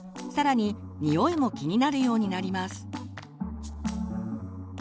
更ににおいも気になるようになります。